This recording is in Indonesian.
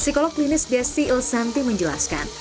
psikolog klinis desi ilsanti menjelaskan